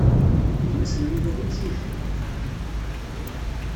Gma-s n Yuba d imsujji.